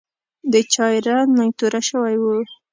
د چای رنګ لږ توره شوی و.